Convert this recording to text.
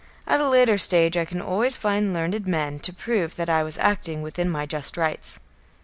At a later stage I can always find learned men to prove that I was acting within my just rights."